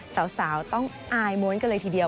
สาวต้องอายม้วนกันเลยทีเดียว